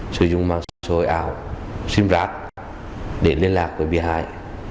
sử dụng mạng sổ hội ảo simrát để liên lạc với bìa hải